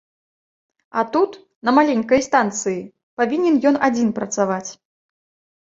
А тут, на маленькай станцыі, павінен ён адзін працаваць.